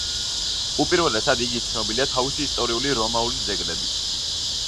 უპირველესად, იგი ცნობილია თავისი ისტორიული, რომაული ძეგლებით.